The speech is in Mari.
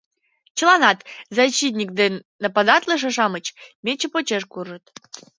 Чыланат — защитник ден нападатлыше-шамыч — мече почеш куржыт.